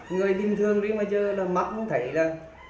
người bình thường nhưng mà mắt cũng thấy là